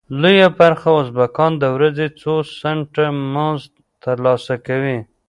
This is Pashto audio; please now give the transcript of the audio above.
لویه برخه ازبکان د ورځې څو سنټه مزد تر لاسه کوي.